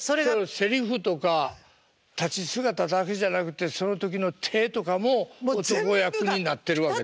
セリフとか立ち姿だけじゃなくてその時の手とかも男役になってるわけですね。